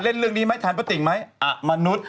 ไปเล่นเรื่องนี้ไหมทานปะติ่งไหมอะมนุษย์